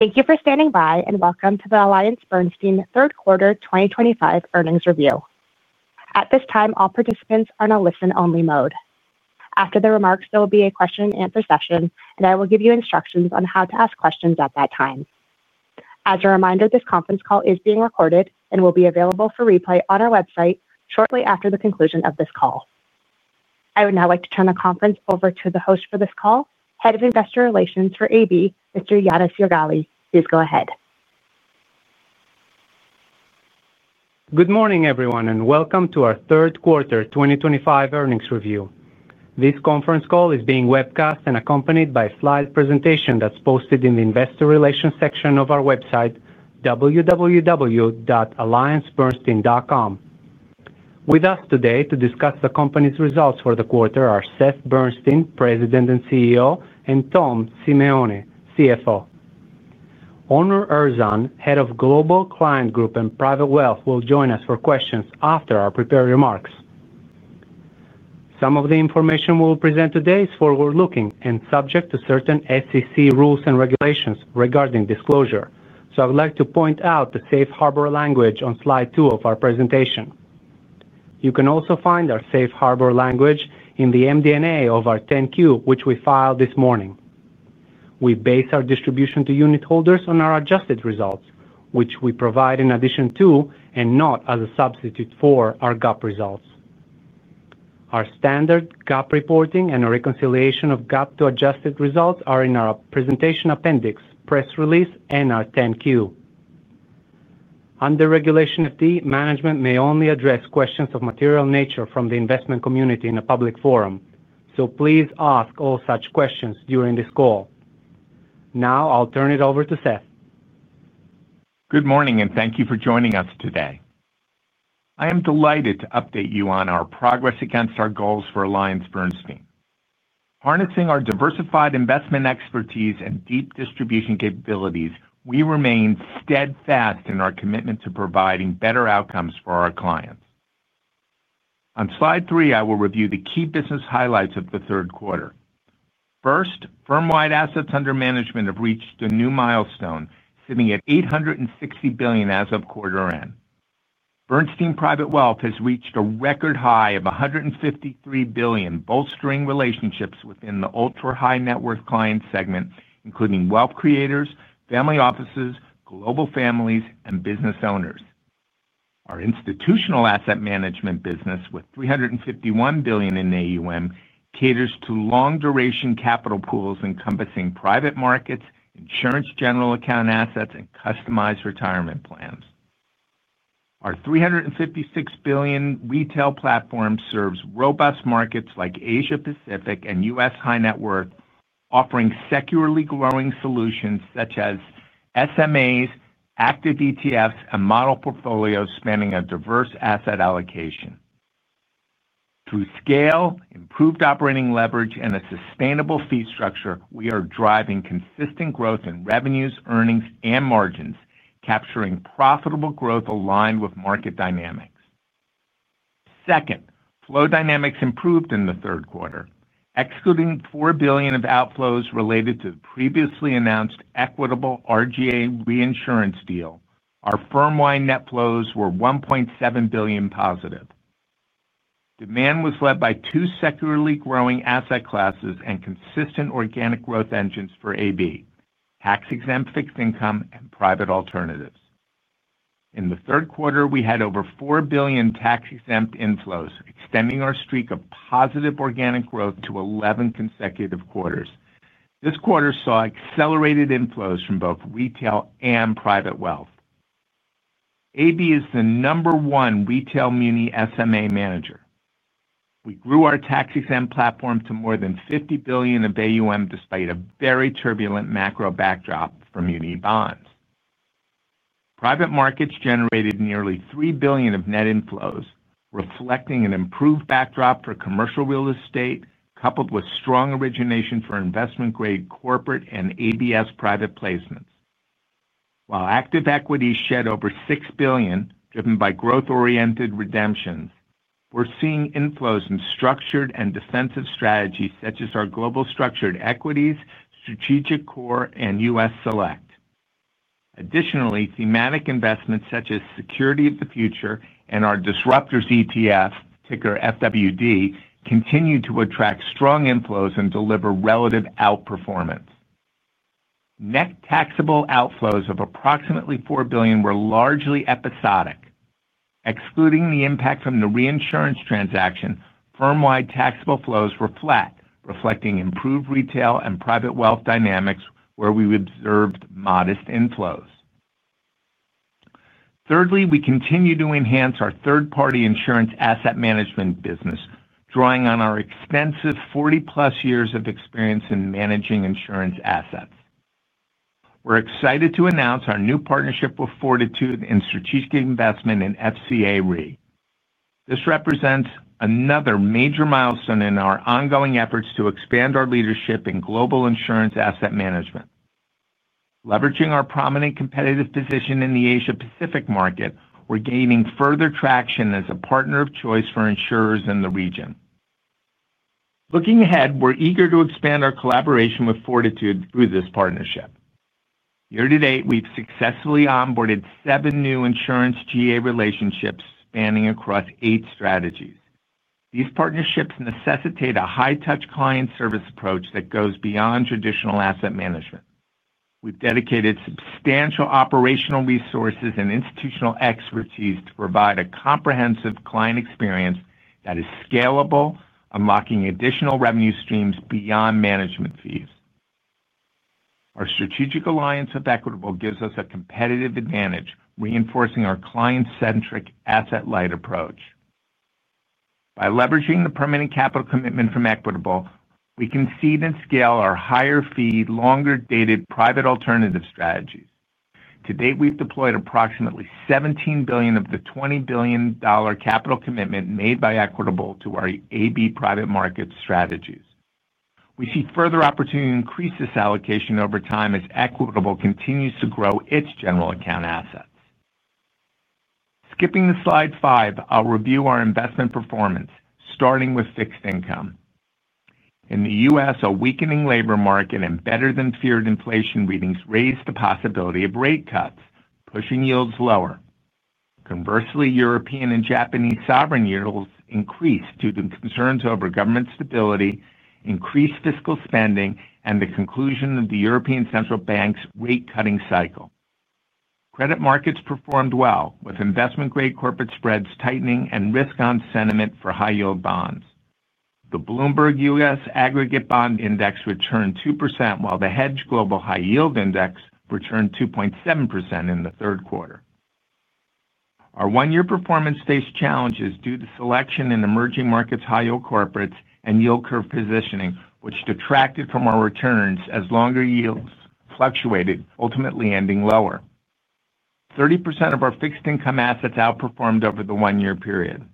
Thank you for standing by and welcome to the AllianceBernstein third quarter 2025 earnings review. At this time, all participants are in a listen-only mode. After the remarks, there will be a question-and-answer session, and I will give you instructions on how to ask questions at that time. As a reminder, this conference call is being recorded and will be available for replay on our website shortly after the conclusion of this call. I would now like to turn the conference over to the host for this call, Head of Investor Relations for AB, Mr. Yannis Jorgali. Please go ahead. Good morning, everyone, and welcome to our third quarter 2025 earnings review. This conference call is being webcast and accompanied by a slide presentation that's posted in the Investor Relations section of our website, www.alliancebernstein.com. With us today to discuss the company's results for the quarter are Seth Bernstein, President and CEO, and Tom Simeone, CFO. Onur Erzan, Head of Global Client Group & Private Wealth, will join us for questions after our prepared remarks. Some of the information we will present today is forward-looking and subject to certain SEC rules and regulations regarding disclosure, so I would like to point out the safe harbor language on slide two of our presentation. You can also find our safe harbor language in the MD&A of our 10-Q, which we filed this morning. We base our distribution to unitholders on our adjusted results, which we provide in addition to and not as a substitute for our GAAP results. Our standard GAAP reporting and our reconciliation of GAAP to adjusted results are in our presentation appendix, press release, and our 10-Q. Under Regulation FD, management may only address questions of material nature from the investment community in a public forum, so please ask all such questions during this call. Now, I'll turn it over to Seth. Good morning and thank you for joining us today. I am delighted to update you on our progress against our goals for AllianceBernstein. Harnessing our diversified investment expertise and deep distribution capabilities, we remain steadfast in our commitment to providing better outcomes for our clients. On slide three, I will review the key business highlights of the third quarter. First, firm-wide assets under management have reached a new milestone, sitting at $860 billion as of quarter end. Bernstein Private Wealth has reached a record high of $153 billion, bolstering relationships within the ultra-high net worth client segment, including wealth creators, family offices, global families, and business owners. Our institutional asset management business, with $351 billion in AUM, caters to long-duration capital pools encompassing private markets, insurance, general account assets, and customized retirement plans. Our $356 billion retail platform serves robust markets like Asia Pacific and U.S. high net worth, offering securely growing solutions such as SMAs, active ETFs, and model portfolios spanning a diverse asset allocation. Through scale, improved operating leverage, and a sustainable fee structure, we are driving consistent growth in revenues, earnings, and margins, capturing profitable growth aligned with market dynamics. Second, flow dynamics improved in the third quarter. Excluding $4 billion of outflows related to the previously announced Equitable Reinsurance Group of America reinsurance deal, our firm-wide net flows were $1.7 billion positive. Demand was led by two securely growing asset classes and consistent organic growth engines for AB: tax-exempt fixed income and private alternatives. In the third quarter, we had over $4 billion tax-exempt inflows, extending our streak of positive organic growth to 11 consecutive quarters. This quarter saw accelerated inflows from both retail and private wealth. AB is the number one retail municipal SMA manager. We grew our tax-exempt platform to more than $50 billion of AUM despite a very turbulent macro backdrop for municipal bonds. Private markets generated nearly $3 billion of net inflows, reflecting an improved backdrop for commercial real estate, coupled with strong origination for investment-grade corporate and ABS private placements. While active equities shed over $6 billion, driven by growth-oriented redemptions, we're seeing inflows in structured and defensive strategies such as our global structured equities, Global Strategic Core, and U.S. Select. Additionally, thematic investments such as Security of the Future and our Disruptors ETF, ticker FWD, continue to attract strong inflows and deliver relative outperformance. Net taxable outflows of approximately $4 billion were largely episodic. Excluding the impact from the reinsurance transaction, firm-wide taxable flows were flat, reflecting improved retail and private wealth dynamics where we observed modest inflows. Thirdly, we continue to enhance our third-party insurance asset management business, drawing on our extensive 40-plus years of experience in managing insurance assets. We're excited to announce our new partnership with Fortitude in strategic investment in FCA REIT. This represents another major milestone in our ongoing efforts to expand our leadership in global insurance asset management. Leveraging our prominent competitive position in the Asia Pacific market, we're gaining further traction as a partner of choice for insurers in the region. Looking ahead, we're eager to expand our collaboration with Fortitude through this partnership. Year to date, we've successfully onboarded seven new insurance GA relationships spanning across eight strategies. These partnerships necessitate a high-touch client service approach that goes beyond traditional asset management. We've dedicated substantial operational resources and institutional expertise to provide a comprehensive client experience that is scalable, unlocking additional revenue streams beyond management fees. Our strategic alliance with Equitable gives us a competitive advantage, reinforcing our client-centric asset light approach. By leveraging the permanent capital commitment from Equitable, we can seed and scale our higher-fee, longer-dated private alternative strategies. To date, we've deployed approximately $17 billion of the $20 billion capital commitment made by Equitable to our AB private market strategies. We see further opportunity to increase this allocation over time as Equitable continues to grow its general account assets. Skipping to slide five, I'll review our investment performance, starting with fixed income. In the U.S., a weakening labor market and better-than-feared inflation readings raised the possibility of rate cuts, pushing yields lower. Conversely, European and Japanese sovereign yields increased due to concerns over government stability, increased fiscal spending, and the conclusion of the European Central Bank's rate-cutting cycle. Credit markets performed well, with investment-grade corporate spreads tightening and risk-on sentiment for high-yield bonds. The Bloomberg U.S. Aggregate Bond Index returned 2%, while the Hedge Global High Yield Index returned 2.7% in the third quarter. Our one-year performance faced challenges due to selection in emerging markets high-yield corporates and yield curve positioning, which detracted from our returns as longer yields fluctuated, ultimately ending lower. 30% of our fixed-income assets outperformed over the one-year period.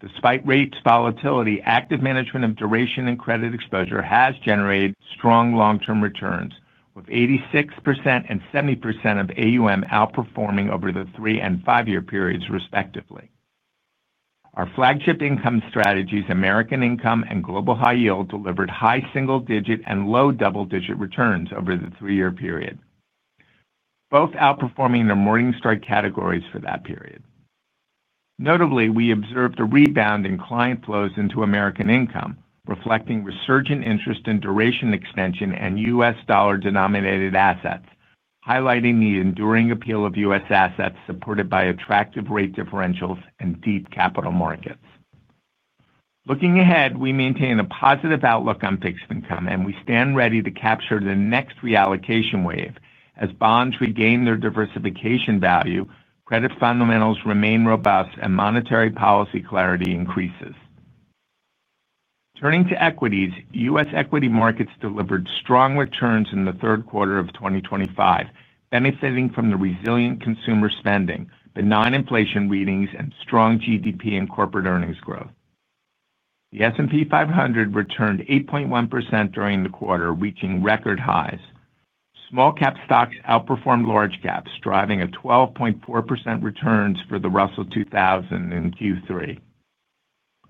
Despite rates' volatility, active management of duration and credit exposure has generated strong long-term returns, with 86% and 70% of AUM outperforming over the three and five-year periods, respectively. Our flagship income strategies, American Income and Global High Yield, delivered high single-digit and low double-digit returns over the three-year period, both outperforming the Morningstar categories for that period. Notably, we observed a rebound in client flows into American Income, reflecting resurgent interest in duration extension and U.S. dollar-denominated assets, highlighting the enduring appeal of U.S. assets supported by attractive rate differentials and deep capital markets. Looking ahead, we maintain a positive outlook on fixed income, and we stand ready to capture the next reallocation wave as bonds regain their diversification value, credit fundamentals remain robust, and monetary policy clarity increases. Turning to equities, U.S. equity markets delivered strong returns in the third quarter of 2025, benefiting from the resilient consumer spending, benign inflation readings, and strong GDP and corporate earnings growth. The S&P 500 returned 8.1% during the quarter, reaching record highs. Small-cap stocks outperformed large caps, driving a 12.4% return for the Russell 2000 in Q3.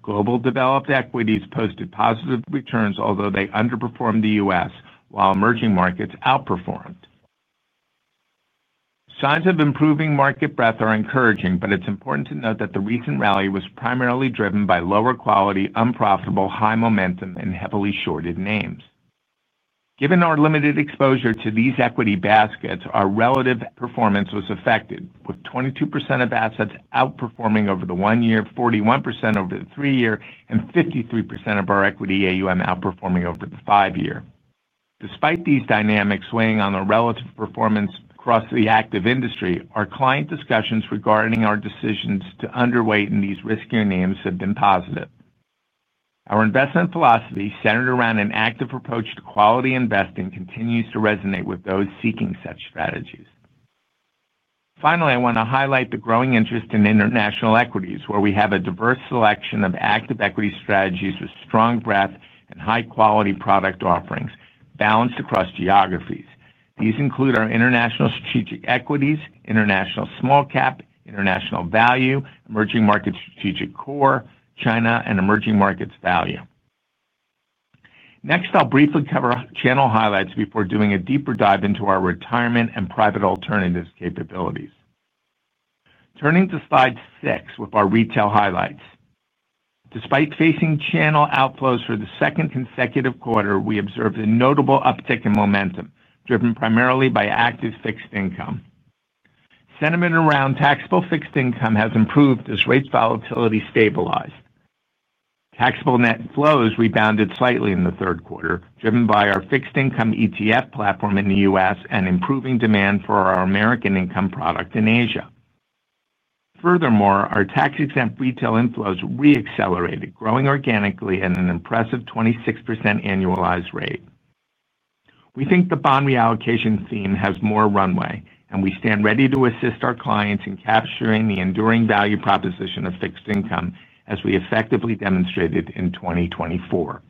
Global developed equities posted positive returns, although they underperformed the U.S., while emerging markets outperformed. Signs of improving market breadth are encouraging, but it's important to note that the recent rally was primarily driven by lower quality, unprofitable, high momentum, and heavily shorted names. Given our limited exposure to these equity baskets, our relative performance was affected, with 22% of assets outperforming over the one year, 41% over the three year, and 53% of our equity AUM outperforming over the five year. Despite these dynamics weighing on the relative performance across the active industry, our client discussions regarding our decisions to underweight in these riskier names have been positive. Our investment philosophy, centered around an active approach to quality investing, continues to resonate with those seeking such strategies. Finally, I want to highlight the growing interest in international equities, where we have a diverse selection of active equity strategies with strong breadth and high-quality product offerings balanced across geographies. These include our international strategic equities, international small-cap, international value, emerging market strategic core, China, and emerging markets value. Next, I'll briefly cover channel highlights before doing a deeper dive into our retirement and private alternatives capabilities. Turning to slide six with our retail highlights. Despite facing channel outflows for the second consecutive quarter, we observed a notable uptick in momentum, driven primarily by active fixed income. Sentiment around taxable fixed income has improved as rate volatility stabilized. Taxable net flows rebounded slightly in the third quarter, driven by our fixed-income ETF platform in the U.S. and improving demand for our American Income product in Asia. Furthermore, our tax-exempt retail inflows reaccelerated, growing organically at an impressive 26% annualized rate. We think the bond reallocation theme has more runway, and we stand ready to assist our clients in capturing the enduring value proposition of fixed income, as we effectively demonstrated in 2024.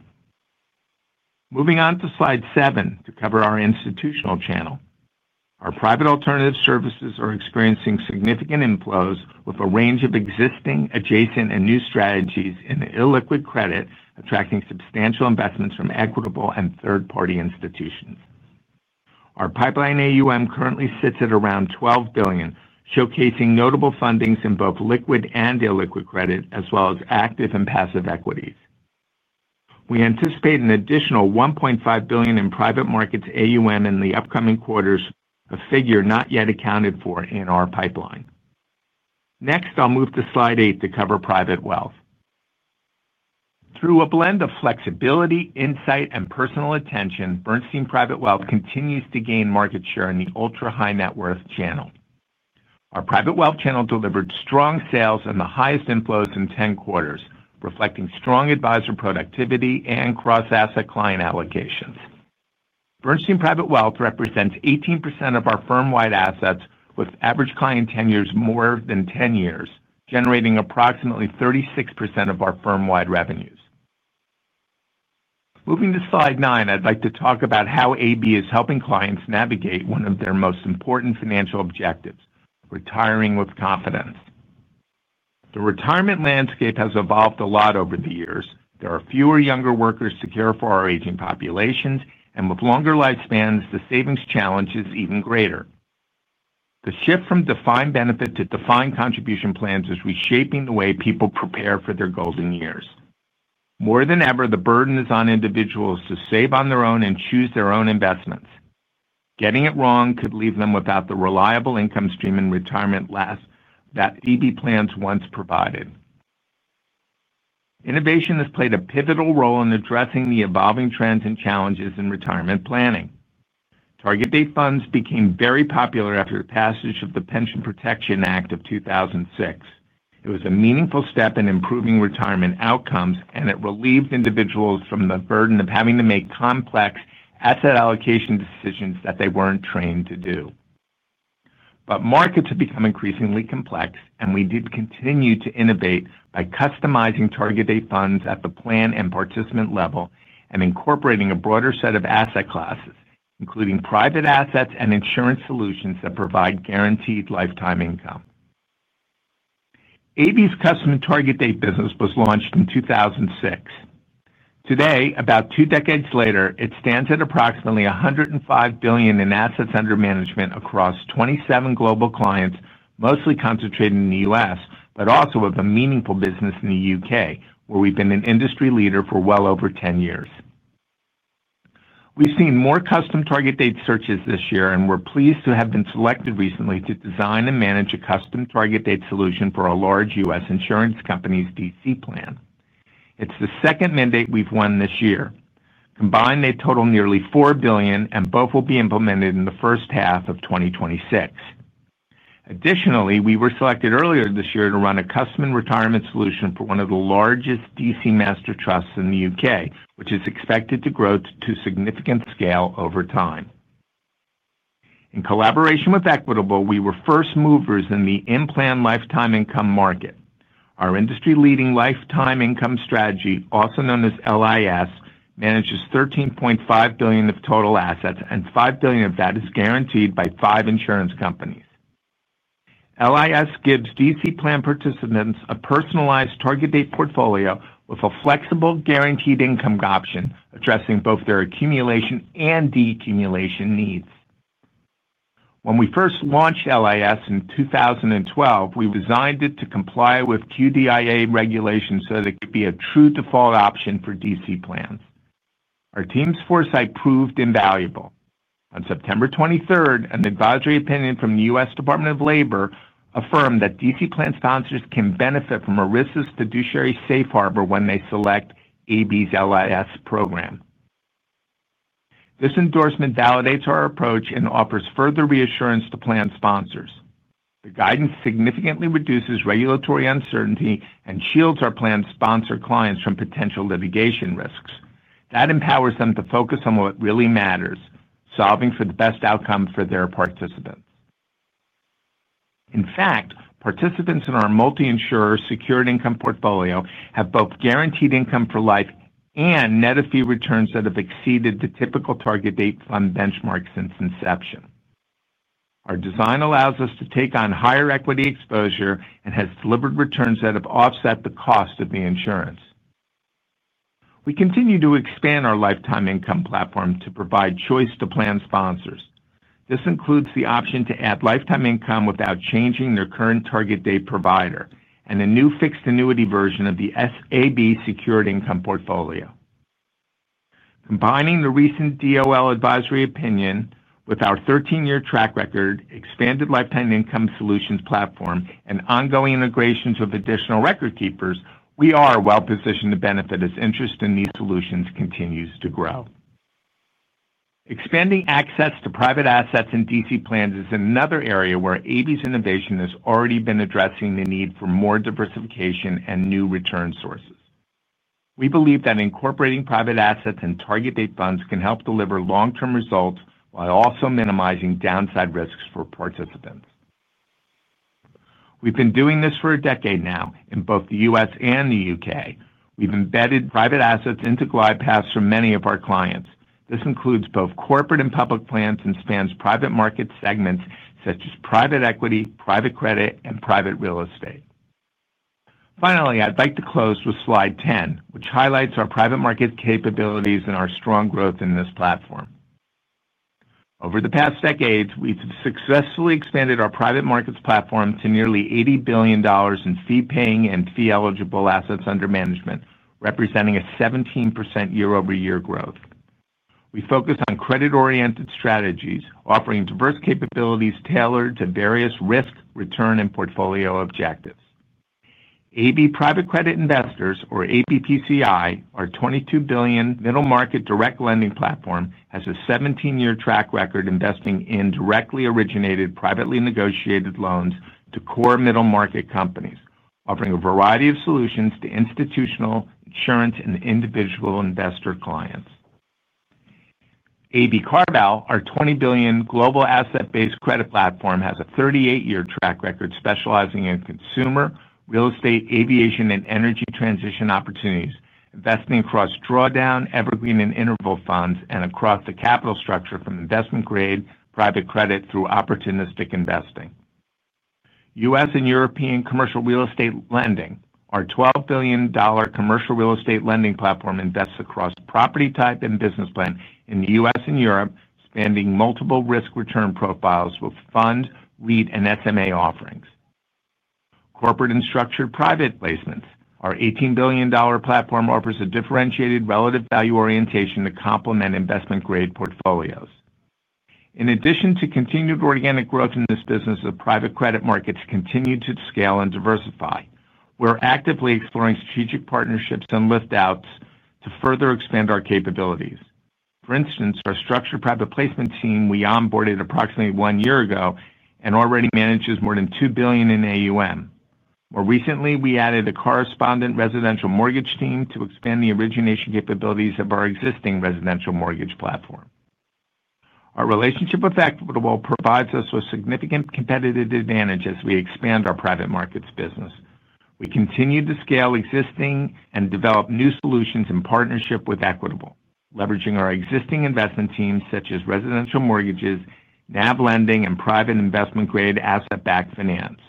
Moving on to slide seven to cover our institutional channel. Our private alternative services are experiencing significant inflows, with a range of existing, adjacent, and new strategies in the illiquid credit attracting substantial investments from Equitable and third-party institutions. Our pipeline AUM currently sits at around $12 billion, showcasing notable fundings in both liquid and illiquid credit, as well as active and passive equities. We anticipate an additional $1.5 billion in private markets AUM in the upcoming quarters, a figure not yet accounted for in our pipeline. Next, I'll move to slide eight to cover private wealth. Through a blend of flexibility, insight, and personal attention, Bernstein Private Wealth continues to gain market share in the ultra-high net worth channel. Our private wealth channel delivered strong sales and the highest inflows in 10 quarters, reflecting strong advisor productivity and cross-asset client allocations. Bernstein Private Wealth represents 18% of our firm-wide assets, with average client tenures more than 10 years, generating approximately 36% of our firm-wide revenues. Moving to slide nine, I'd like to talk about how AB is helping clients navigate one of their most important financial objectives: retiring with confidence. The retirement landscape has evolved a lot over the years. There are fewer younger workers to care for our aging populations, and with longer lifespans, the savings challenge is even greater. The shift from defined benefits to defined contribution plans is reshaping the way people prepare for their golden years. More than ever, the burden is on individuals to save on their own and choose their own investments. Getting it wrong could leave them without the reliable income stream in retirement that AB plans once provided. Innovation has played a pivotal role in addressing the evolving trends and challenges in retirement planning. Target date funds became very popular after the passage of the Pension Protection Act of 2006. It was a meaningful step in improving retirement outcomes, and it relieved individuals from the burden of having to make complex asset allocation decisions that they weren't trained to do. Markets have become increasingly complex, and we did continue to innovate by customizing target date funds at the plan and participant level and incorporating a broader set of asset classes, including private assets and insurance solutions that provide guaranteed lifetime income. AB's custom target date business was launched in 2006. Today, about two decades later, it stands at approximately $105 billion in assets under management across 27 global clients, mostly concentrated in the U.S., but also with a meaningful business in the U.K., where we've been an industry leader for well over 10 years. We've seen more custom target date searches this year, and we're pleased to have been selected recently to design and manage a custom target date solution for a large U.S. insurance company's DC plan. It's the second mandate we've won this year. Combined, they total nearly $4 billion, and both will be implemented in the first half of 2026. Additionally, we were selected earlier this year to run a custom retirement solution for one of the largest DC master trusts in the U.K., which is expected to grow to significant scale over time. In collaboration with Equitable, we were first movers in the in-plan lifetime income market. Our industry-leading Lifetime Income Strategy, also known as LIS, manages $13.5 billion of total assets, and $5 billion of that is guaranteed by five insurance companies. LIS gives DC plan participants a personalized target date portfolio with a flexible guaranteed income option, addressing both their accumulation and de-accumulation needs. When we first launched LIS in 2012, we designed it to comply with QDIA regulations so that it could be a true default option for DC plans. Our team's foresight proved invaluable. On September 23, an advisory opinion from the U.S. Department of Labor affirmed that DC plan sponsors can benefit from ERISA's fiduciary safe harbor when they select AB's LIS program. This endorsement validates our approach and offers further reassurance to plan sponsors. The guidance significantly reduces regulatory uncertainty and shields our plan sponsor clients from potential litigation risks. That empowers them to focus on what really matters: solving for the best outcome for their participants. In fact, participants in our multi-insurer secured income portfolio have both guaranteed income for life and net-of-fee returns that have exceeded the typical target date fund benchmark since inception. Our design allows us to take on higher equity exposure and has delivered returns that have offset the cost of the insurance. We continue to expand our lifetime income platform to provide choice to plan sponsors. This includes the option to add lifetime income without changing their current target date provider and a new fixed annuity version of the AB secured income portfolio. Combining the recent DOL advisory opinion with our 13-year track record, expanded lifetime income solutions platform, and ongoing integrations with additional record keepers, we are well positioned to benefit as interest in these solutions continues to grow. Expanding access to private assets in DC plans is another area where AB's innovation has already been addressing the need for more diversification and new return sources. We believe that incorporating private assets and target date funds can help deliver long-term results while also minimizing downside risks for participants. We've been doing this for a decade now in both the U.S. and the U.K. We've embedded private assets into glide paths for many of our clients. This includes both corporate and public plans and spans private market segments such as private equity, private credit, and private real estate. Finally, I'd like to close with slide 10, which highlights our private market capabilities and our strong growth in this platform. Over the past decade, we've successfully expanded our private markets platform to nearly $80 billion in fee-paying and fee-eligible assets under management, representing a 17% year-over-year growth. We focus on credit-oriented strategies, offering diverse capabilities tailored to various risk, return, and portfolio objectives. AB Private Credit Investors, or ABPCI, our $22 billion middle-market direct lending platform, has a 17-year track record investing in directly originated, privately negotiated loans to core middle-market companies, offering a variety of solutions to institutional, insurance, and individual investor clients. AB CarVal, our $20 billion global asset-based credit platform, has a 38-year track record specializing in consumer, real estate, aviation, and energy transition opportunities, investing across drawdown, evergreen, and interval funds, and across the capital structure from investment-grade private credit through opportunistic investing. U.S. and European commercial real estate lending, our $12 billion commercial real estate lending platform invests across property type and business plan in the U.S. and Europe, spanning multiple risk return profiles with fund, lead, and SMA offerings. Corporate and structured private placements, our $18 billion platform offers a differentiated relative value orientation to complement investment-grade portfolios. In addition to continued organic growth in this business, the private credit markets continue to scale and diversify. We're actively exploring strategic partnerships and liftouts to further expand our capabilities. For instance, our structured private placement team we onboarded approximately one year ago and already manages more than $2 billion in AUM. More recently, we added a correspondent residential mortgage team to expand the origination capabilities of our existing residential mortgage platform. Our relationship with Equitable provides us with significant competitive advantage as we expand our private markets business. We continue to scale existing and develop new solutions in partnership with Equitable, leveraging our existing investment teams such as residential mortgages, NAV lending, and private investment-grade asset-based finance.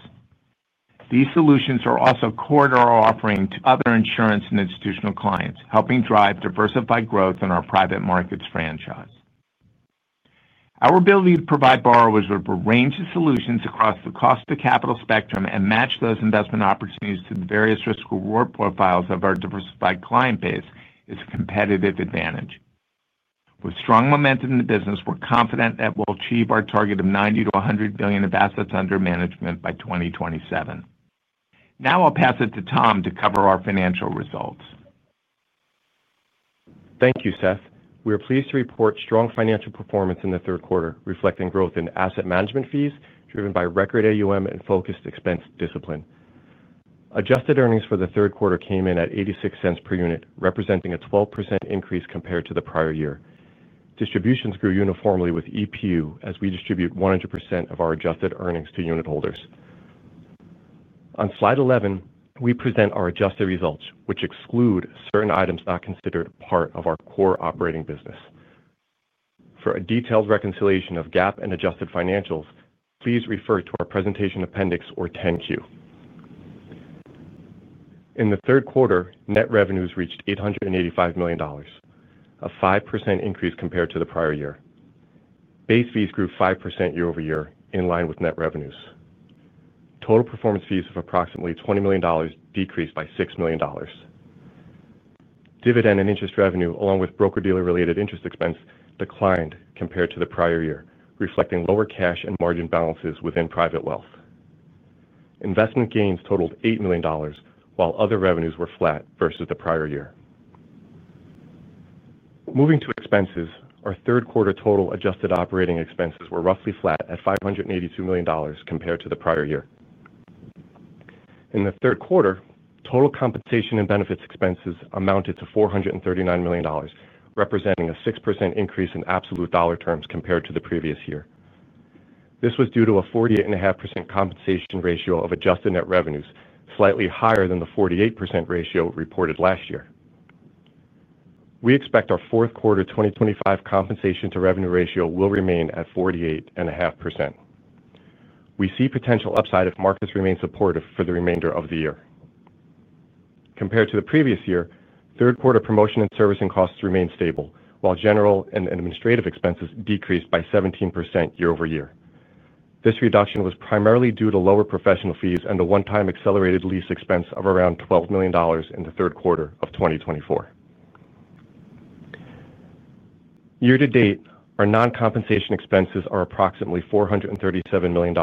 These solutions are also core to our offering to other insurance and institutional clients, helping drive diversified growth in our private markets franchise. Our ability to provide borrowers with a range of solutions across the cost-to-capital spectrum and match those investment opportunities to the various risk reward profiles of our diversified client base is a competitive advantage. With strong momentum in the business, we're confident that we'll achieve our target of $90 billion-$100 billion of assets under management by 2027. Now I'll pass it to Tom to cover our financial results. Thank you, Seth. We are pleased to report strong financial performance in the third quarter, reflecting growth in asset management fees driven by record AUM and focused expense discipline. Adjusted earnings for the third quarter came in at $0.86 per unit, representing a 12% increase compared to the prior year. Distributions grew uniformly with EPU as we distribute 100% of our adjusted earnings to unit holders. On slide 11, we present our adjusted results, which exclude certain items not considered part of our core operating business. For a detailed reconciliation of GAAP and adjusted financials, please refer to our presentation appendix or 10-Q. In the third quarter, net revenues reached $885 million, a 5% increase compared to the prior year. Base fees grew 5% year-over-year in line with net revenues. Total performance fees of approximately $20 million decreased by $6 million. Dividend and interest revenue, along with broker-dealer-related interest expense, declined compared to the prior year, reflecting lower cash and margin balances within private wealth. Investment gains totaled $8 million, while other revenues were flat versus the prior year. Moving to expenses, our third quarter total adjusted operating expenses were roughly flat at $582 million compared to the prior year. In the third quarter, total compensation and benefits expenses amounted to $439 million, representing a 6% increase in absolute dollar terms compared to the previous year. This was due to a 48.5% compensation ratio of adjusted net revenues, slightly higher than the 48% ratio reported last year. We expect our fourth quarter 2025 compensation to revenue ratio will remain at 48.5%. We see potential upside if markets remain supportive for the remainder of the year. Compared to the previous year, third quarter promotion and servicing costs remain stable, while general and administrative expenses decreased by 17% year-over-year. This reduction was primarily due to lower professional fees and a one-time accelerated lease expense of around $12 million in the third quarter of 2024. Year to date, our non-compensation expenses are approximately $437 million,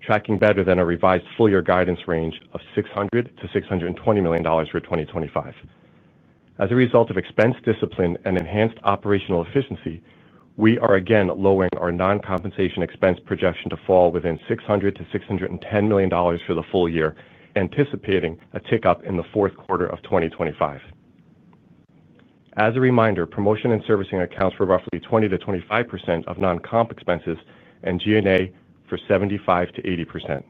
tracking better than a revised full-year guidance range of $600 million-$620 million for 2025. As a result of expense discipline and enhanced operational efficiency, we are again lowering our non-compensation expense projection to fall within $600 million-$610 million for the full year, anticipating a tick-up in the fourth quarter of 2025. As a reminder, promotion and servicing accounts for roughly 20%-25% of non-comp expenses and G&A for 75%-80%.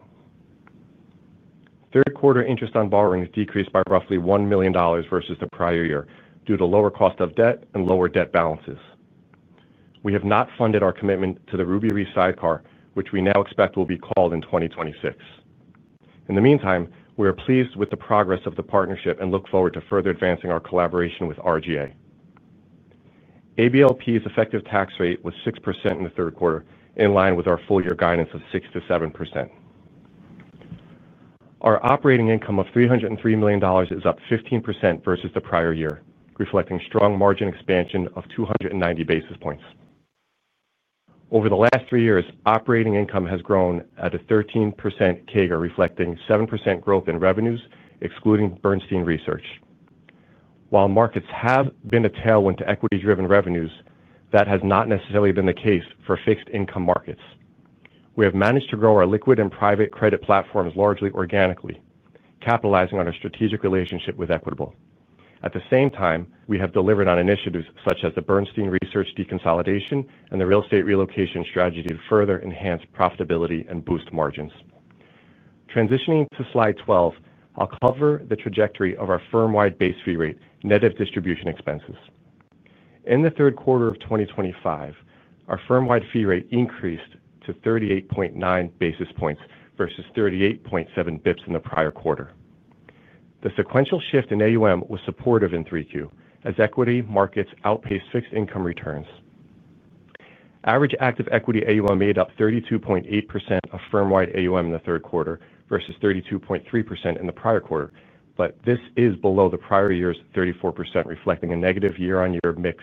Third quarter interest on borrowing has decreased by roughly $1 million versus the prior year due to lower cost of debt and lower debt balances. We have not funded our commitment to the Ruby Re sidecar, which we now expect will be called in 2026. In the meantime, we are pleased with the progress of the partnership and look forward to further advancing our collaboration with Reinsurance Group of America. ABLP's effective tax rate was 6% in the third quarter, in line with our full-year guidance of 6%-7%. Our operating income of $303 million is up 15% versus the prior year, reflecting strong margin expansion of 290 basis points. Over the last three years, operating income has grown at a 13% CAGR, reflecting 7% growth in revenues, excluding Bernstein Research. While markets have been a tailwind to equity-driven revenues, that has not necessarily been the case for fixed-income markets. We have managed to grow our liquid and private credit platforms largely organically, capitalizing on our strategic relationship with Equitable. At the same time, we have delivered on initiatives such as the Bernstein Research deconsolidation and the real estate relocation strategy to further enhance profitability and boost margins. Transitioning to slide 12, I'll cover the trajectory of our firm-wide base fee rate net of distribution expenses. In the third quarter of 2025, our firm-wide fee rate increased to 38.9 basis points versus 38.7 bps in the prior quarter. The sequential shift in AUM was supportive in 3Q, as equity markets outpaced fixed-income returns. Average active equity AUM made up 32.8% of firm-wide AUM in the third quarter versus 32.3% in the prior quarter, but this is below the prior year's 34%, reflecting a negative year-on-year mix.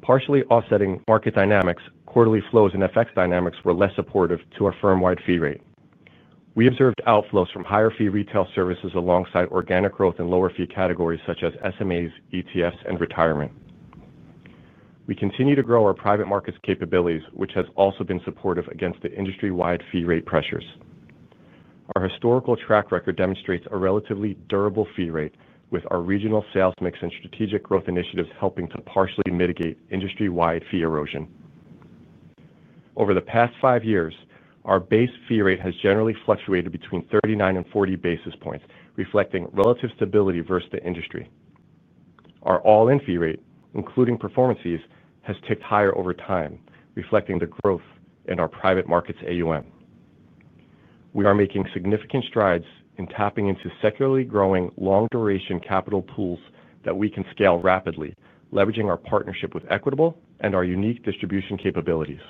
Partially offsetting market dynamics, quarterly flows and FX dynamics were less supportive to our firm-wide fee rate. We observed outflows from higher-fee retail services alongside organic growth in lower-fee categories such as SMAs, ETFs, and retirement. We continue to grow our private markets capabilities, which has also been supportive against the industry-wide fee rate pressures. Our historical track record demonstrates a relatively durable fee rate, with our regional sales mix and strategic growth initiatives helping to partially mitigate industry-wide fee erosion. Over the past five years, our base fee rate has generally fluctuated between 39 and 40 basis points, reflecting relative stability versus the industry. Our all-in fee rate, including performance fees, has ticked higher over time, reflecting the growth in our private markets AUM. We are making significant strides in tapping into secularly growing long-duration capital pools that we can scale rapidly, leveraging our partnership with Equitable and our unique distribution capabilities.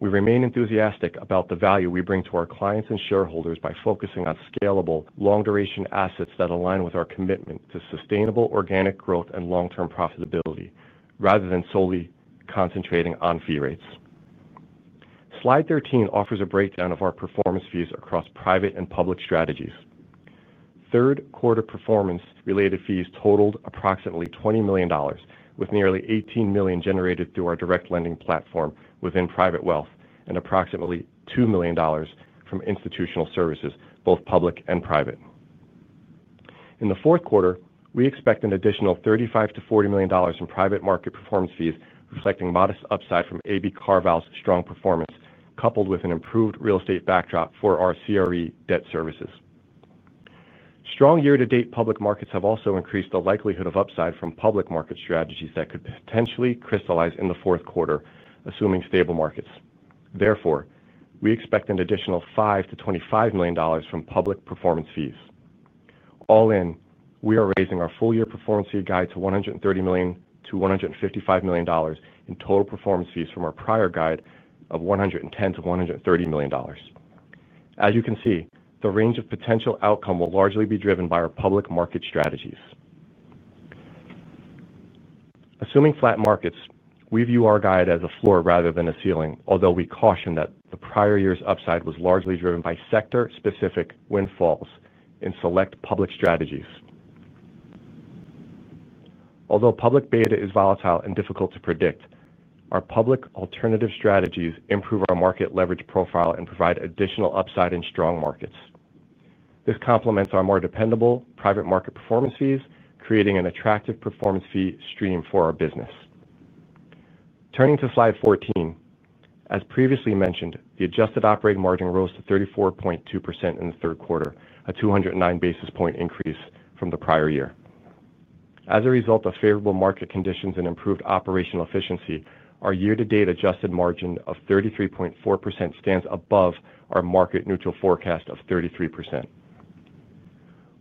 We remain enthusiastic about the value we bring to our clients and shareholders by focusing on scalable, long-duration assets that align with our commitment to sustainable organic growth and long-term profitability, rather than solely concentrating on fee rates. Slide 13 offers a breakdown of our performance fees across private and public strategies. Third quarter performance-related fees totaled approximately $20 million, with nearly $18 million generated through our direct lending platform within private wealth and approximately $2 million from institutional services, both public and private. In the fourth quarter, we expect an additional $35 million-$40 million in private market performance fees, reflecting modest upside from AB CarVal's strong performance, coupled with an improved real estate backdrop for our CRE debt services. Strong year-to-date public markets have also increased the likelihood of upside from public market strategies that could potentially crystallize in the fourth quarter, assuming stable markets. Therefore, we expect an additional $5 million-$25 million from public performance fees. All in, we are raising our full-year performance fee guide to $130 million-$155 million in total performance fees from our prior guide of $110 million-$130 million. As you can see, the range of potential outcome will largely be driven by our public market strategies. Assuming flat markets, we view our guide as a floor rather than a ceiling, although we caution that the prior year's upside was largely driven by sector-specific windfalls in select public strategies. Although public beta is volatile and difficult to predict, our public alternative strategies improve our market leverage profile and provide additional upside in strong markets. This complements our more dependable private market performance fees, creating an attractive performance fee stream for our business. Turning to slide 14, as previously mentioned, the adjusted operating margin rose to 34.2% in the third quarter, a 209 basis point increase from the prior year. As a result of favorable market conditions and improved operational efficiency, our year-to-date adjusted margin of 33.4% stands above our market-neutral forecast of 33%.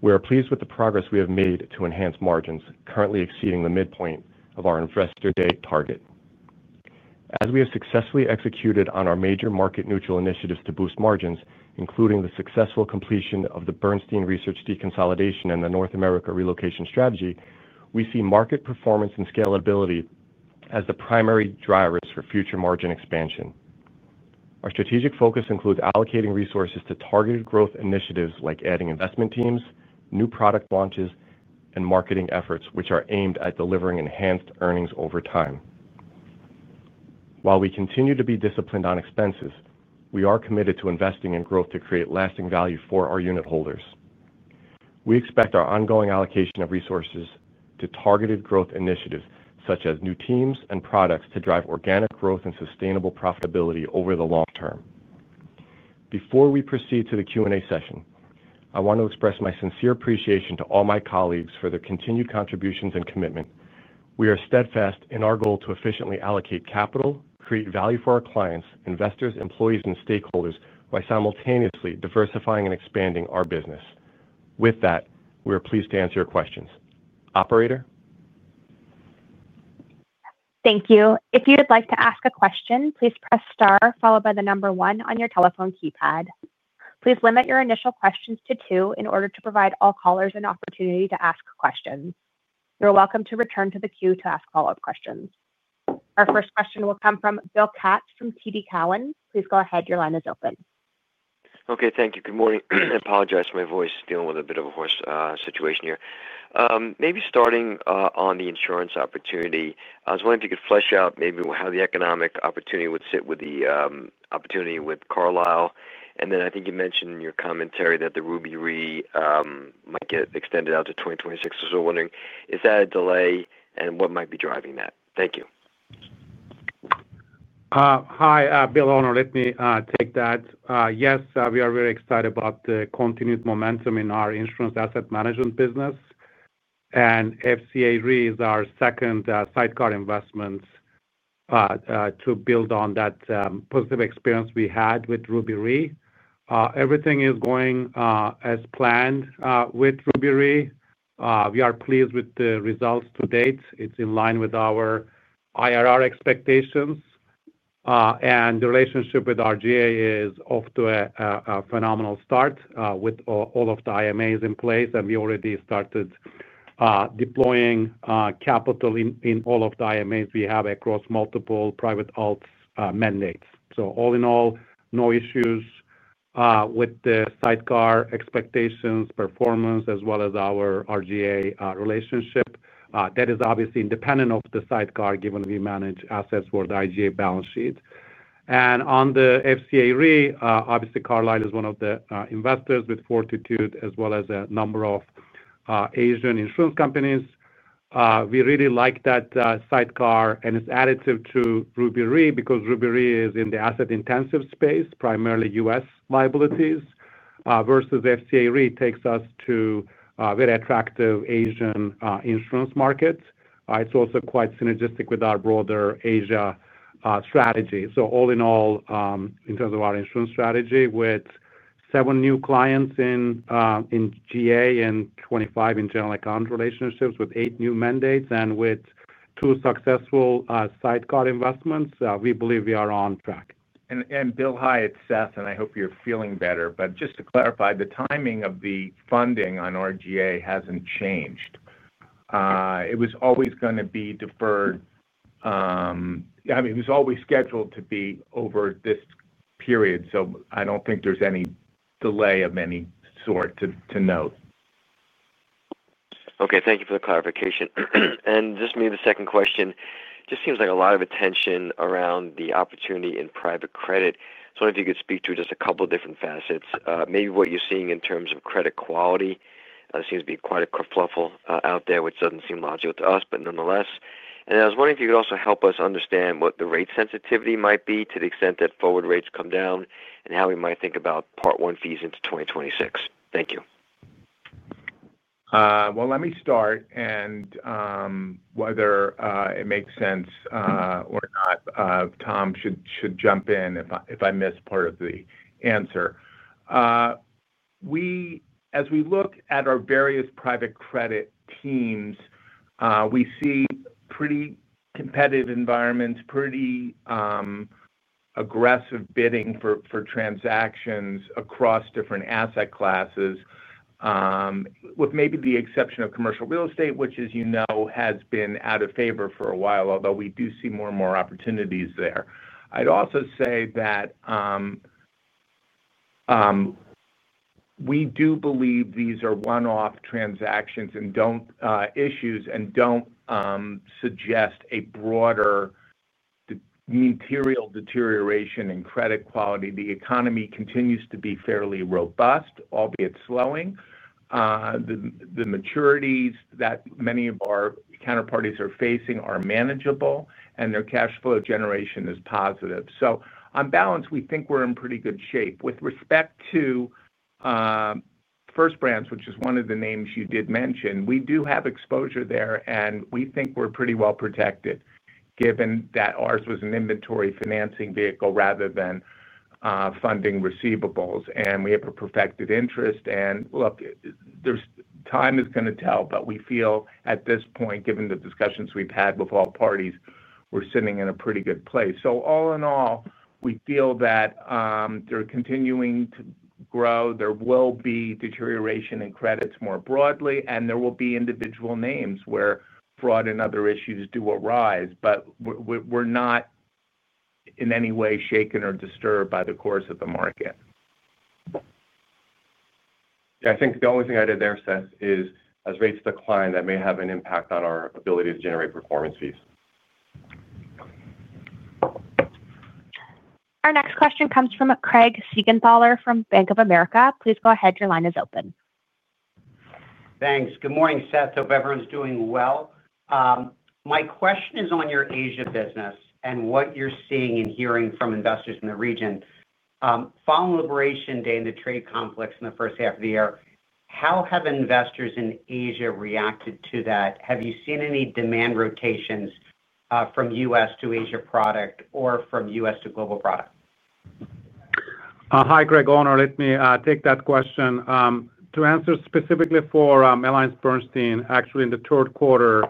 We are pleased with the progress we have made to enhance margins, currently exceeding the midpoint of our investor-date target. As we have successfully executed on our major market-neutral initiatives to boost margins, including the successful completion of the Bernstein research deconsolidation and the North America relocation strategy, we see market performance and scalability as the primary drivers for future margin expansion. Our strategic focus includes allocating resources to targeted growth initiatives like adding investment teams, new product launches, and marketing efforts, which are aimed at delivering enhanced earnings over time. While we continue to be disciplined on expenses, we are committed to investing in growth to create lasting value for our unit holders. We expect our ongoing allocation of resources to targeted growth initiatives such as new teams and products to drive organic growth and sustainable profitability over the long term. Before we proceed to the Q&A session, I want to express my sincere appreciation to all my colleagues for their continued contributions and commitment. We are steadfast in our goal to efficiently allocate capital, create value for our clients, investors, employees, and stakeholders by simultaneously diversifying and expanding our business. With that, we are pleased to answer your questions. Operator? Thank you. If you would like to ask a question, please press star followed by the number one on your telephone keypad. Please limit your initial questions to two in order to provide all callers an opportunity to ask questions. You're welcome to return to the queue to ask follow-up questions. Our first question will come from Bill Katz from TD Cowen. Please go ahead. Your line is open. Okay. Thank you. Good morning. I apologize for my voice, dealing with a bit of a hoarse situation here. Maybe starting on the insurance opportunity, I was wondering if you could flesh out maybe how the economic opportunity would sit with the opportunity with Carlyle. I think you mentioned in your commentary that the Ruby Re might get extended out to 2026. I was wondering, is that a delay, and what might be driving that? Thank you. Hi, Bill. Let me take that. Yes, we are very excited about the continued momentum in our insurance asset management business. FCA REIT is our second sidecar investment to build on that positive experience we had with Ruby Re. Everything is going as planned with Ruby Re. We are pleased with the results to date. It's in line with our IRR expectations. The relationship with Reinsurance Group of America is off to a phenomenal start with all of the IMAs in place. We already started deploying capital in all of the IMAs we have across multiple private alternatives mandates. All in all, no issues with the sidecar expectations, performance, as well as our Reinsurance Group of America relationship. That is obviously independent of the sidecar given we manage assets for the Reinsurance Group of America balance sheet. On the FCA REIT, Carlyle is one of the investors with Fortitude, as well as a number of Asian insurance companies. We really like that sidecar, and it's additive to Ruby Re because Ruby Re is in the asset-intensive space, primarily U.S. liabilities, versus FCA REIT takes us to a very attractive Asian insurance market. It's also quite synergistic with our broader Asia strategy. All in all, in terms of our insurance strategy, with seven new clients in general account and 25 in general account relationships with eight new mandates and with two successful sidecar investments, we believe we are on track. Bill, hi, it's Seth, and I hope you're feeling better. Just to clarify, the timing of the funding on Reinsurance Group of America hasn't changed. It was always going to be deferred. It was always scheduled to be over this period. I don't think there's any delay of any sort to note. Okay. Thank you for the clarification. Maybe the second question, it just seems like a lot of attention around the opportunity in private credit. I wonder if you could speak to just a couple of different facets. Maybe what you're seeing in terms of credit quality, it seems to be quite a kerfuffle out there, which doesn't seem logical to us, but nonetheless. I was wondering if you could also help us understand what the rate sensitivity might be to the extent that forward rates come down and how we might think about part one fees into 2026. Thank you. Let me start, and whether it makes sense or not, Tom should jump in if I missed part of the answer. As we look at our various private credit teams, we see pretty competitive environments, pretty aggressive bidding for transactions across different asset classes, with maybe the exception of commercial real estate, which, as you know, has been out of favor for a while, although we do see more and more opportunities there. I'd also say that we do believe these are one-off transactions and don't suggest a broader material deterioration in credit quality. The economy continues to be fairly robust, albeit slowing. The maturities that many of our counterparties are facing are manageable, and their cash flow generation is positive. On balance, we think we're in pretty good shape. With respect to FirstBranch, which is one of the names you did mention, we do have exposure there, and we think we're pretty well protected, given that ours was an inventory financing vehicle rather than funding receivables. We have a perfected interest. Time is going to tell, but we feel at this point, given the discussions we've had with all parties, we're sitting in a pretty good place. All in all, we feel that they're continuing to grow. There will be deterioration in credits more broadly, and there will be individual names where fraud and other issues do arise, but we're not in any way shaken or disturbed by the course of the market. Yeah, I think the only thing I did there, Seth, is as rates decline, that may have an impact on our ability to generate performance fees. Our next question comes from Craig Siegenthaler from Bank of America. Please go ahead. Your line is open. Thanks. Good morning, Seth. Hope everyone's doing well. My question is on your Asia business and what you're seeing and hearing from investors in the region. Following Liberation Day and the trade conflicts in the first half of the year, how have investors in Asia reacted to that? Have you seen any demand rotations from U.S. to Asia product or from U.S. to global product? Hi, Greg. Let me take that question. To answer specifically for AllianceBernstein, actually, in the third quarter,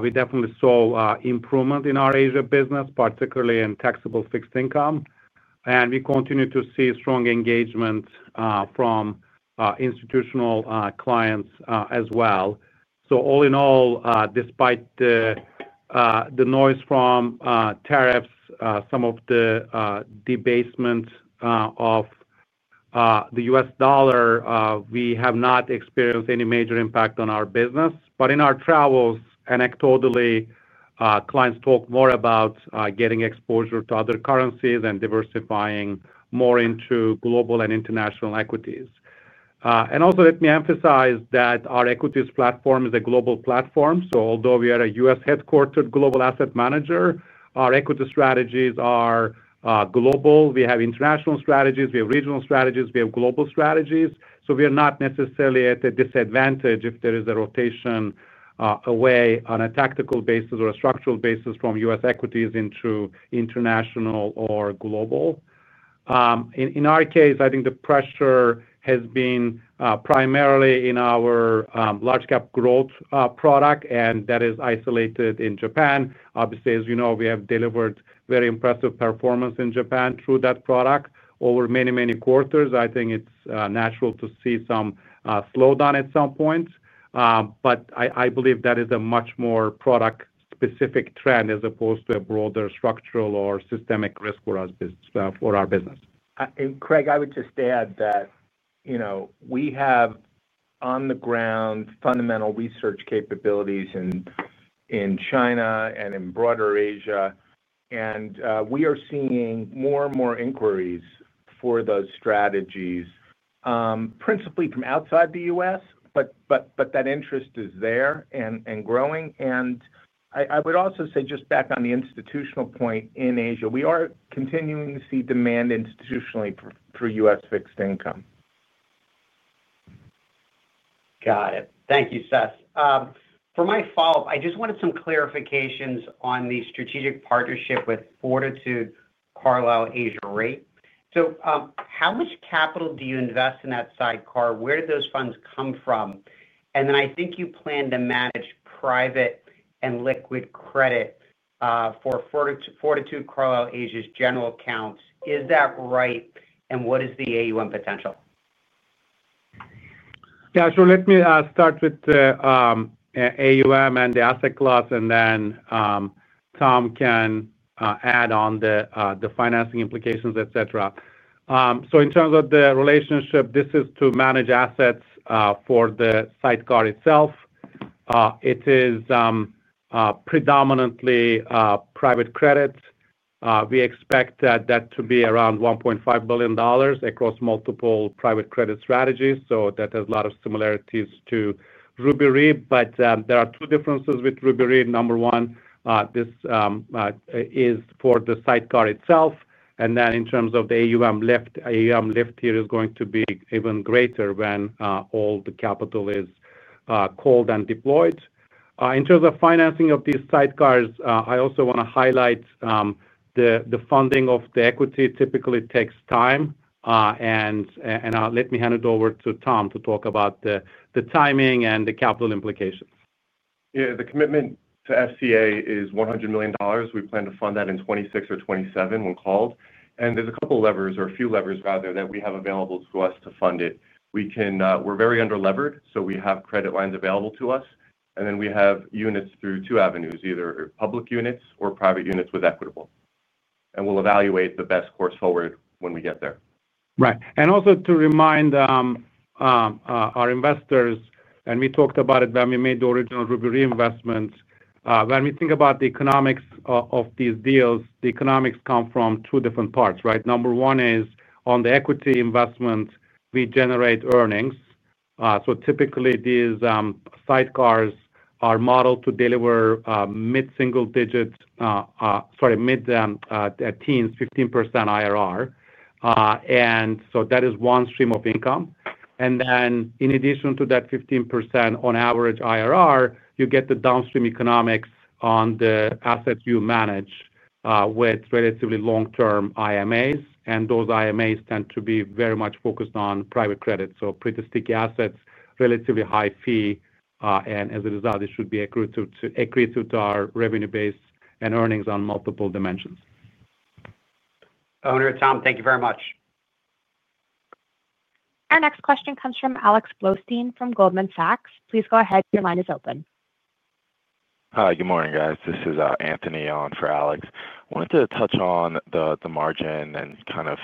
we definitely saw improvement in our Asia business, particularly in taxable fixed income. We continue to see strong engagement from institutional clients as well. All in all, despite the noise from tariffs, some of the debasement of the U.S. dollar, we have not experienced any major impact on our business. In our travels, anecdotally, clients talk more about getting exposure to other currencies and diversifying more into global and international equities. Let me emphasize that our equities platform is a global platform. Although we are a U.S.-headquartered global asset manager, our equity strategies are global. We have international strategies, we have regional strategies, we have global strategies. We are not necessarily at a disadvantage if there is a rotation away on a tactical basis or a structural basis from U.S. equities into international or global. In our case, I think the pressure has been primarily in our large-cap growth product, and that is isolated in Japan. Obviously, as you know, we have delivered very impressive performance in Japan through that product over many, many quarters. I think it's natural to see some slowdown at some point. I believe that is a much more product-specific trend as opposed to a broader structural or systemic risk for our business. Craig, I would just add that we have on-the-ground fundamental research capabilities in China and in broader Asia. We are seeing more and more inquiries for those strategies, principally from outside the U.S., but that interest is there and growing. I would also say, just back on the institutional point in Asia, we are continuing to see demand institutionally through U.S. fixed income. Got it. Thank you, Seth. For my follow-up, I just wanted some clarifications on the strategic partnership with Fortitude, Carlyle, and FCA REIT. How much capital do you invest in that sidecar? Where did those funds come from? I think you plan to manage private and liquid credit for Fortitude, Carlyle, and FCA REIT's general accounts. Is that right? What is the AUM potential? Yeah. Let me start with the AUM and the asset class, and then Tom can add on the financing implications, etc. In terms of the relationship, this is to manage assets for the sidecar itself. It is predominantly private credit. We expect that to be around $1.5 billion across multiple private credit strategies. That has a lot of similarities to Ruby Re. There are two differences with Ruby Re. Number one, this is for the sidecar itself. In terms of the AUM lift, AUM lift here is going to be even greater when all the capital is called and deployed. In terms of financing of these sidecars, I also want to highlight the funding of the equity typically takes time. Let me hand it over to Tom to talk about the timing and the capital implications. Yeah. The commitment to FCA REIT is $100 million. We plan to fund that in 2026 or 2027 when called. There are a couple of levers, or a few levers rather, that we have available to us to fund it. We are very under-levered, so we have credit lines available to us. We have units through two avenues, either public units or private units with Equitable. We will evaluate the best course forward when we get there. Right. Also, to remind our investors, we talked about it when we made the original Ruby Re investment. When we think about the economics of these deals, the economics come from two different parts, right? Number one is on the equity investment, we generate earnings. Typically, these sidecars are modeled to deliver mid-teens, 15% IRR. That is one stream of income. In addition to that 15% on average IRR, you get the downstream economics on the assets you manage with relatively long-term IMAs. Those IMAs tend to be very much focused on private credit, so pretty sticky assets, relatively high fee. As a result, it should be accretive to our revenue base and earnings on multiple dimensions. Owner, Tom, thank you very much. Our next question comes from Alex Blostein from Goldman Sachs. Please go ahead. Your line is open. Hi. Good morning, guys. This is Anthony on for Alex. I wanted to touch on the margin and kind of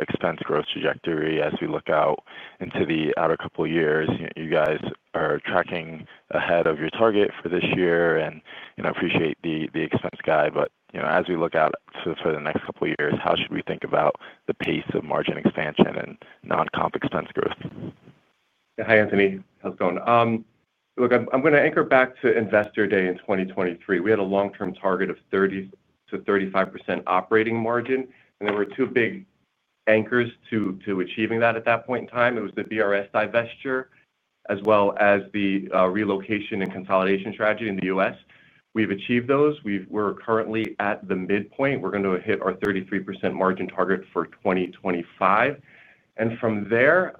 expense growth trajectory as we look out into the outer couple of years. You guys are tracking ahead of your target for this year, and I appreciate the expense guide. As we look out for the next couple of years, how should we think about the pace of margin expansion and non-comp expense growth? Yeah. Hi, Anthony. How's it going? Look, I'm going to anchor back to Investor Day in 2023. We had a long-term target of 30%-35% operating margin. There were two big anchors to achieving that at that point in time. It was the BRS divestiture as well as the relocation and consolidation strategy in the U.S. We've achieved those. We're currently at the midpoint. We're going to hit our 33% margin target for 2025. From there,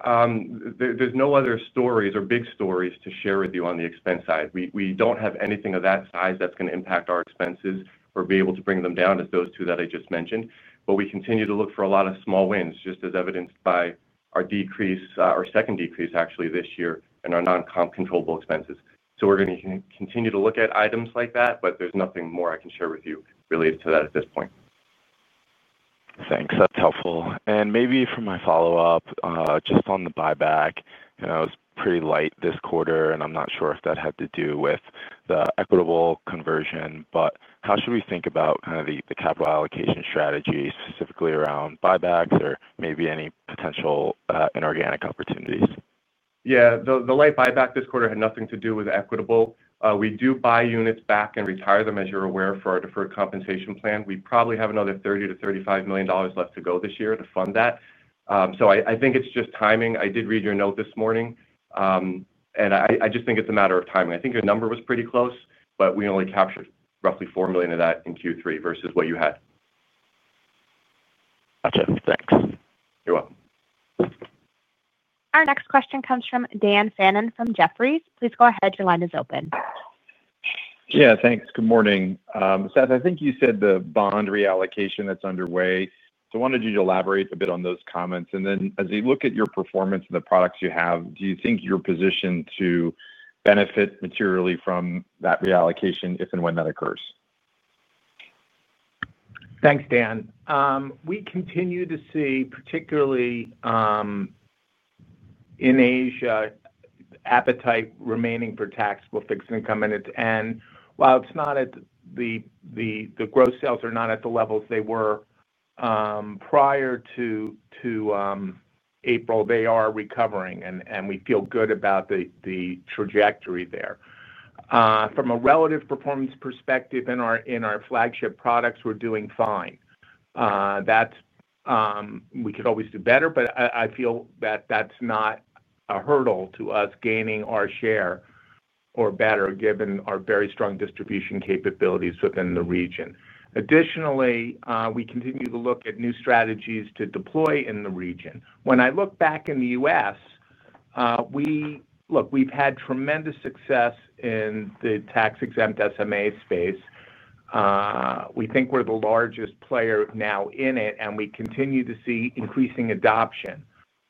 there's no other stories or big stories to share with you on the expense side. We don't have anything of that size that's going to impact our expenses or be able to bring them down as those two that I just mentioned. We continue to look for a lot of small wins, just as evidenced by our decrease, our second decrease, actually, this year in our non-comp controllable expenses. We're going to continue to look at items like that, but there's nothing more I can share with you related to that at this point. Thanks. That's helpful. Maybe for my follow-up, just on the buyback, it was pretty light this quarter, and I'm not sure if that had to do with the Equitable conversion. How should we think about the capital allocation strategy, specifically around buybacks or maybe any potential inorganic opportunities? Yeah. The light buyback this quarter had nothing to do with Equitable. We do buy units back and retire them, as you're aware, for our deferred compensation plan. We probably have another $30 million-$35 million left to go this year to fund that. I think it's just timing. I did read your note this morning, and I just think it's a matter of timing. I think your number was pretty close, but we only captured roughly $4 million of that in Q3 versus what you had. Gotcha. Thanks. You're welcome. Our next question comes from Dan Fannon from Jefferies. Please go ahead. Your line is open. Yeah. Thanks. Good morning. Seth, I think you said the bond reallocation that's underway. I wanted you to elaborate a bit on those comments. As you look at your performance and the products you have, do you think you're positioned to benefit materially from that reallocation if and when that occurs? Thanks, Dan. We continue to see, particularly in Asia, appetite remaining for taxable fixed income. While the gross sales are not at the levels they were prior to April, they are recovering, and we feel good about the trajectory there. From a relative performance perspective in our flagship products, we're doing fine. We could always do better, but I feel that that's not a hurdle to us gaining our share or better, given our very strong distribution capabilities within the region. Additionally, we continue to look at new strategies to deploy in the region. When I look back in the U.S., we've had tremendous success in the tax-exempt SMA space. We think we're the largest player now in it, and we continue to see increasing adoption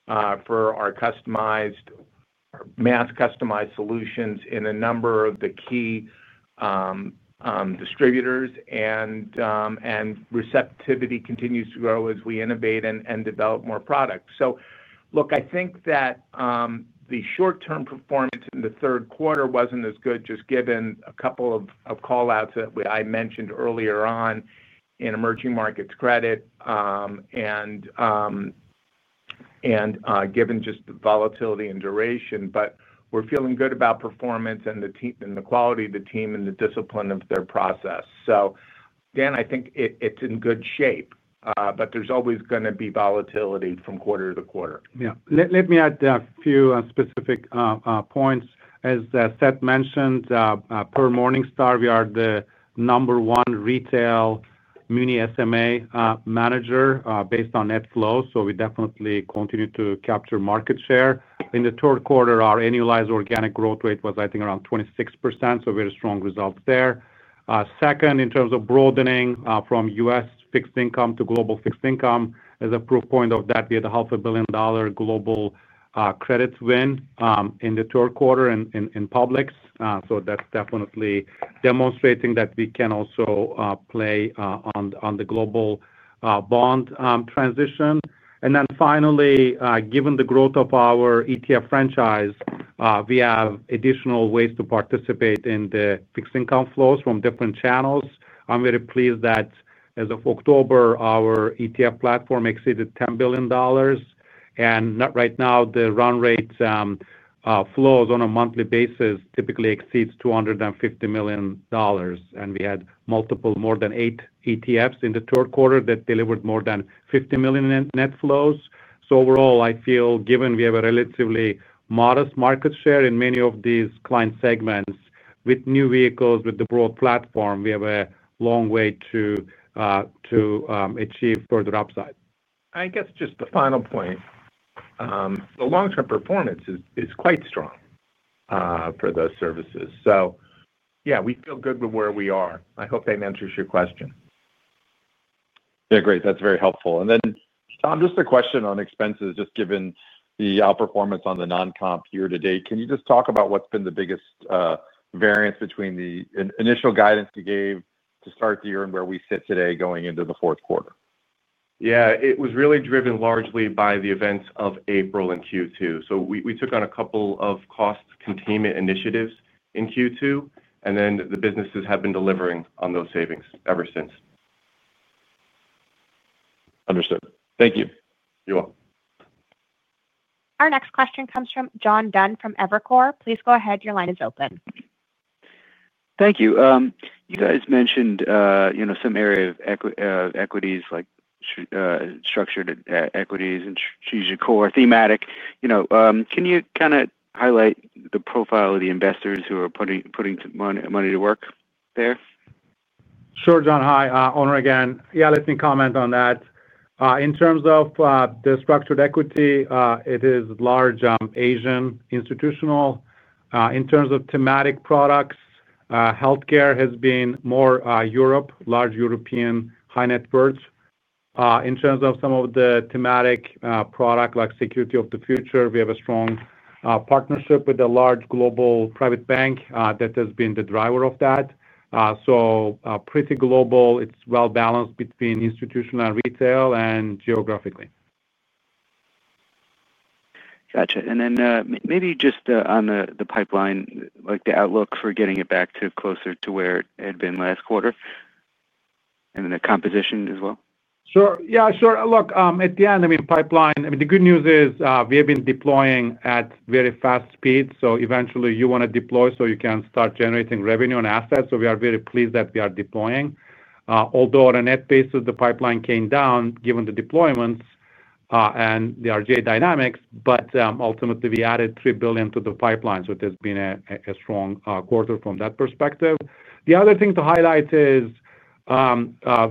for our customized or mass customized solutions in a number of the key distributors. Receptivity continues to grow as we innovate and develop more products. I think that the short-term performance in the third quarter wasn't as good, just given a couple of callouts that I mentioned earlier on in emerging markets credit and given just the volatility and duration. We're feeling good about performance and the quality of the team and the discipline of their process. Dan, I think it's in good shape, but there's always going to be volatility from quarter to quarter. Yeah. Let me add a few specific points. As Seth mentioned, per Morningstar, we are the number one retail municipal SMA manager based on net flow. We definitely continue to capture market share. In the third quarter, our annualized organic growth rate was, I think, around 26%. We had a strong result there. Second, in terms of broadening from U.S. fixed income to global fixed income, as a proof point of that, we had a $500 million global credit win in the third quarter in publics. That is definitely demonstrating that we can also play on the global bond transition. Finally, given the growth of our ETF franchise, we have additional ways to participate in the fixed income flows from different channels. I'm very pleased that as of October, our ETF platform exceeded $10 billion. Right now, the run rate flows on a monthly basis typically exceed $250 million. We had multiple, more than eight ETFs in the third quarter that delivered more than $50 million in net flows. Overall, I feel given we have a relatively modest market share in many of these client segments with new vehicles, with the broad platform, we have a long way to achieve further upside. I guess just the final point, the long-term performance is quite strong for those services. We feel good with where we are. I hope that answers your question. Yeah, great. That's very helpful. Tom, just a question on expenses, just given the outperformance on the non-comp year to date. Can you just talk about what's been the biggest variance between the initial guidance you gave to start the year and where we sit today going into the fourth quarter? Yeah. It was really driven largely by the events of April and Q2. We took on a couple of cost containment initiatives in Q2, and the businesses have been delivering on those savings ever since. Understood. Thank you. You're welcome. Our next question comes from John Dunn from Evercore. Please go ahead. Your line is open. Thank you. You guys mentioned some areas of equities, like structured equities and strategic core thematic. Can you kind of highlight the profile of the investors who are putting money to work there? Sure, John. Hi, Onur again. Yeah, let me comment on that. In terms of the structured equity, it is large Asian institutional. In terms of thematic products, healthcare has been more Europe, large European high-net-worth. In terms of some of the thematic products, like Security of the Future, we have a strong partnership with a large global private bank that has been the driver of that. It's pretty global. It's well balanced between institutional and retail and geographically. Gotcha. Maybe just on the pipeline, the outlook for getting it back to closer to where it had been last quarter and then the composition as well. Sure. Yeah, sure. Look, at the end, I mean, pipeline, the good news is we have been deploying at very fast speeds. Eventually, you want to deploy so you can start generating revenue and assets. We are very pleased that we are deploying. Although on a net basis, the pipeline came down given the deployments and the Reinsurance Group of America dynamics, ultimately, we added $3 billion to the pipeline, so it has been a strong quarter from that perspective. The other thing to highlight is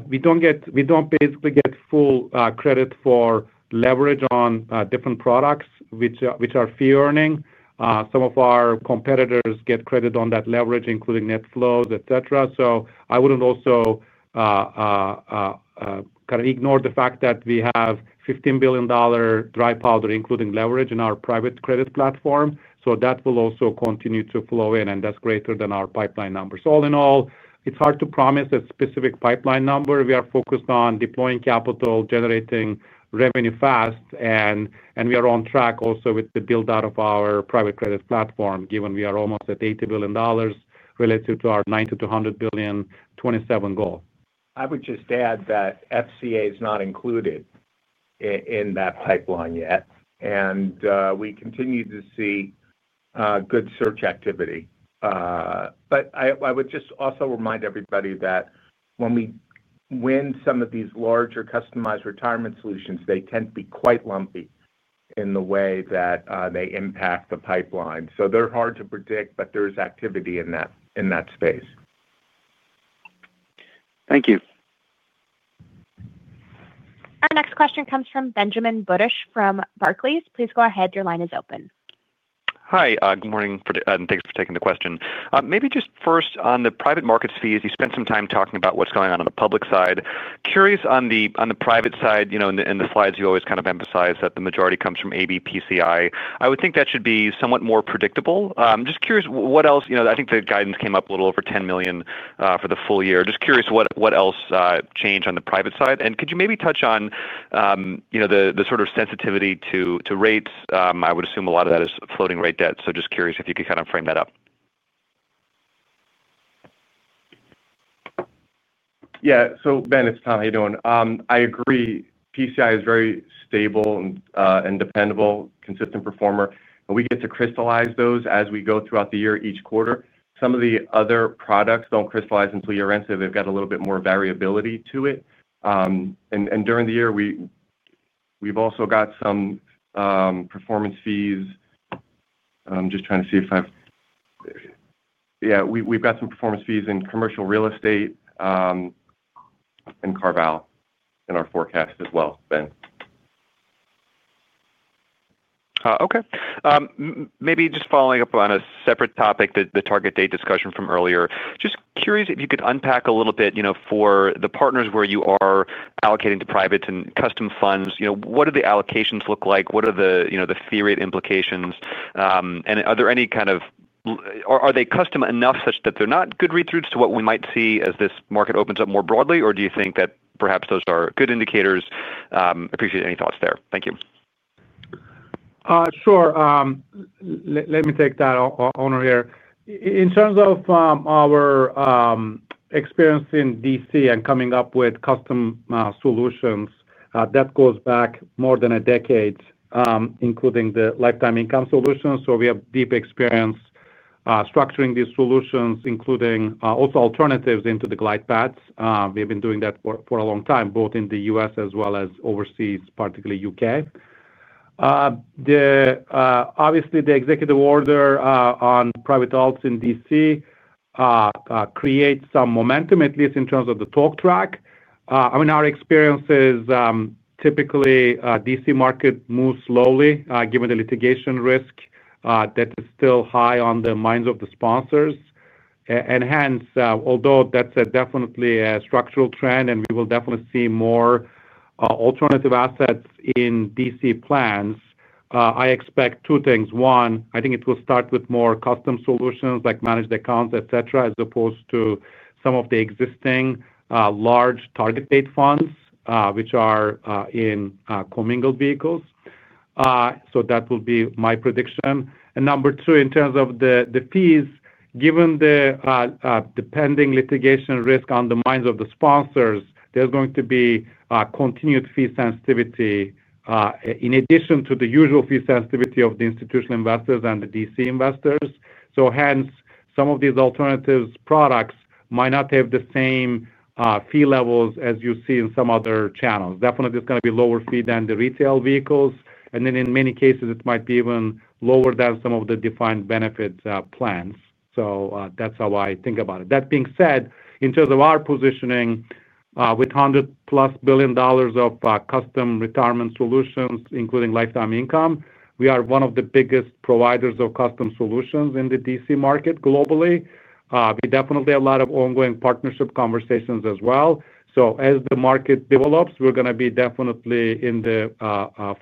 we don't basically get full credit for leverage on different products, which are fee-earning. Some of our competitors get credit on that leverage, including net flows, etc. I wouldn't also kind of ignore the fact that we have $15 billion dry powder, including leverage, in our private credit platform. That will also continue to flow in, and that's greater than our pipeline numbers. All in all, it's hard to promise a specific pipeline number. We are focused on deploying capital, generating revenue fast, and we are on track also with the build-out of our private credit platform, given we are almost at $80 billion relative to our $90 billion- $100 billion 2027 goal. I would just add that FCA REIT is not included in that pipeline yet. We continue to see good search activity. I would just also remind everybody that when we win some of these larger customized retirement solutions, they tend to be quite lumpy in the way that they impact the pipeline. They're hard to predict, but there's activity in that space. Thank you. Our next question comes from Ben Budish from Barclays. Please go ahead. Your line is open. Hi. Good morning. Thanks for taking the question. Maybe just first on the private markets fees. You spent some time talking about what's going on on the public side. Curious on the private side, in the slides, you always kind of emphasize that the majority comes from AB Private Credit Investors. I would think that should be somewhat more predictable. I'm just curious what else. I think the guidance came up a little over $10 million for the full year. Just curious what else changed on the private side. Could you maybe touch on the sort of sensitivity to rates? I would assume a lot of that is floating rate debt. Just curious if you could kind of frame that up. Yeah. Ben, it's Tom. How you doing? I agree, ABPCI is very stable and dependable, consistent performer. We get to crystallize those as we go throughout the year each quarter. Some of the other products don't crystallize until year-end, so they've got a little bit more variability to it. During the year, we've also got some performance fees. I'm just trying to see if I've, yeah, we've got some performance fees in commercial real estate and Carlyle in our forecast as well, Ben. Okay. Maybe just following up on a separate topic, the target date discussion from earlier. Just curious if you could unpack a little bit, you know, for the partners where you are allocating to private and custom funds. What do the allocations look like? What are the fee rate implications? Are there any kind of, or are they custom enough such that they're not good read-throughs to what we might see as this market opens up more broadly? Do you think that perhaps those are good indicators? I appreciate any thoughts there. Thank you. Sure. Let me take that, Onur here. In terms of our experience in DC and coming up with custom solutions, that goes back more than a decade, including the Lifetime Income Strategy. We have deep experience structuring these solutions, including also alternatives into the glide paths. We have been doing that for a long time, both in the U.S. as well as overseas, particularly the U.K.. Obviously, the executive order on private alternatives in DC creates some momentum, at least in terms of the talk track. I mean, our experience is typically DC market moves slowly, given the litigation risk that is still high on the minds of the sponsors. Hence, although that's definitely a structural trend and we will definitely see more alternative assets in DC plans, I expect two things. One, I think it will start with more custom solutions, like managed accounts, etc., as opposed to some of the existing large target date funds, which are in commingled vehicles. That will be my prediction. Number two, in terms of the fees, given the pending litigation risk on the minds of the sponsors, there's going to be continued fee sensitivity in addition to the usual fee sensitivity of the institutional investors and the DC investors. Hence, some of these alternative products might not have the same fee levels as you see in some other channels. Definitely, it's going to be lower fee than the retail vehicles. In many cases, it might be even lower than some of the defined benefit plans. That's how I think about it. That being said, in terms of our positioning, with $100-plus billion of custom retirement solutions, including Lifetime Income Strategy, we are one of the biggest providers of custom solutions in the DC market globally. We definitely have a lot of ongoing partnership conversations as well. As the market develops, we're going to be definitely in the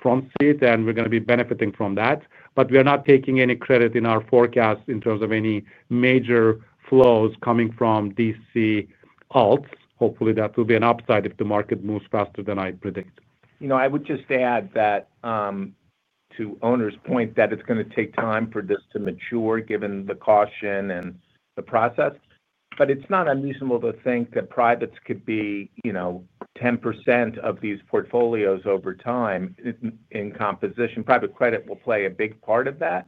front seat, and we're going to be benefiting from that. We are not taking any credit in our forecast in terms of any major flows coming from DC alternatives. Hopefully, that will be an upside if the market moves faster than I predict. You know, I would just add that to Onur's point that it's going to take time for this to mature, given the caution and the process. It's not unreasonable to think that privates could be, you know, 10% of these portfolios over time in composition. Private credit will play a big part of that.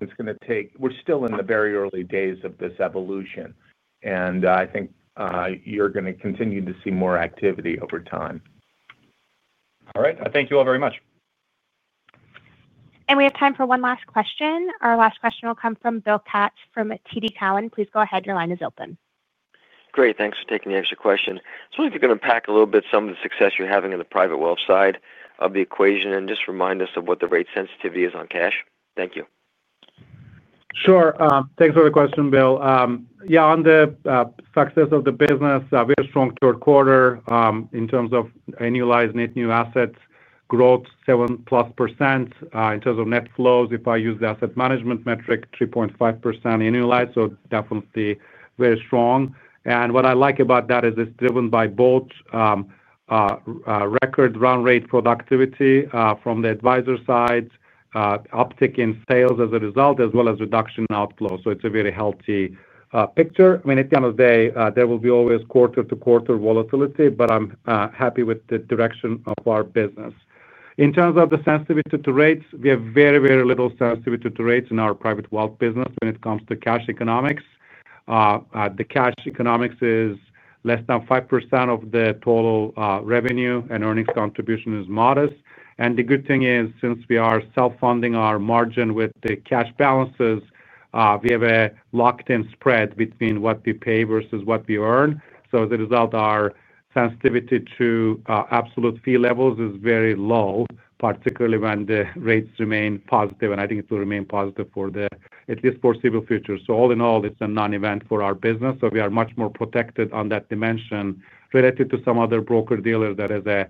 It's going to take, we're still in the very early days of this evolution. I think you're going to continue to see more activity over time. All right, I thank you all very much. We have time for one last question. Our last question will come from Bill Katz from TD Cowen. Please go ahead. Your line is open. Great. Thanks for taking the extra question. I just wonder if you can unpack a little bit some of the success you're having in the private wealth side of the equation and just remind us of what the rate sensitivity is on cash. Thank you. Sure. Thanks for the question, Bill. Yeah, on the success of the business, we have a strong third quarter in terms of annualized net new assets growth, 7+%. In terms of net flows, if I use the asset management metric, 3.5% annualized. Definitely very strong. What I like about that is it's driven by both record run rate productivity from the advisor side, uptick in sales as a result, as well as reduction in outflow. It's a very healthy picture. At the end of the day, there will always be quarter-to-quarter volatility, but I'm happy with the direction of our business. In terms of the sensitivity to rates, we have very, very little sensitivity to rates in our private wealth business when it comes to cash economics. The cash economics is less than 5% of the total revenue, and earnings contribution is modest. The good thing is, since we are self-funding our margin with the cash balances, we have a locked-in spread between what we pay versus what we earn. As a result, our sensitivity to absolute fee levels is very low, particularly when the rates remain positive. I think it will remain positive for at least the foreseeable future. All in all, it's a non-event for our business. We are much more protected on that dimension related to some other broker-dealer that has an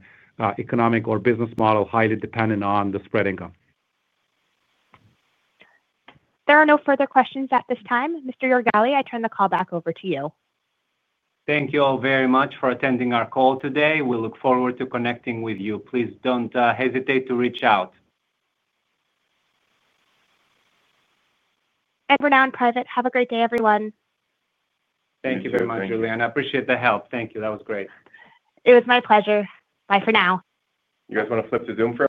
economic or business model highly dependent on the spreading of. There are no further questions at this time. Mr. Jorgali, I turn the call back over to you. Thank you all very much for attending our call today. We look forward to connecting with you. Please don't hesitate to reach out. For now, in private, have a great day, everyone. Thank you very much, Juliana. I appreciate the help. Thank you. That was great. It was my pleasure. Bye for now. You guys want to flip the Zoom for?